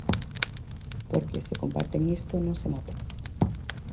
Porque, se comparten isto, non se nota.